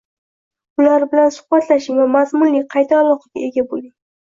Ular bilan suhbatlashing va mazmunli qayta aloqaga ega bo‘ling.